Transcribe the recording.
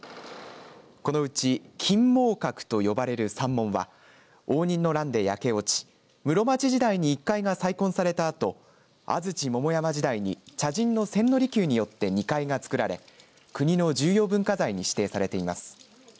このうち金毛閣と呼ばれる三門は応仁の乱で焼け落ち室町時代に１階が再建されたあと安土桃山時代に茶人の千利休によって２階が造られ国の重要文化財に指定されています。